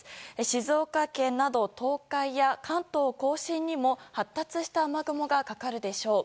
静岡県など東海や関東・甲信にも発達した雨雲がかかるでしょう。